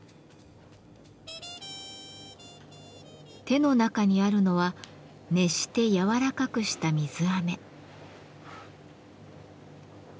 手の中にあるのは熱して軟らかくした水飴。